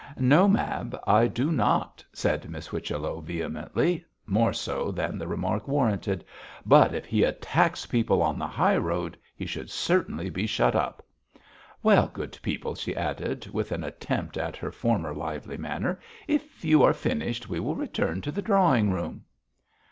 'No, Mab, I do not,' said Miss Whichello, vehemently; more so than the remark warranted. 'But if he attacks people on the high road he should certainly be shut up. Well, good people,' she added, with an attempt at her former lively manner, 'if you are finished we will return to the drawing room.'